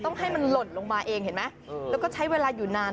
ให้มันหล่นลงมาเองเห็นไหมแล้วก็ใช้เวลาอยู่นาน